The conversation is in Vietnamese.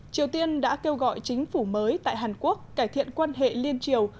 triều tiên đã kêu gọi chính phủ mới tại hàn quốc cải thiện quan hệ liên triều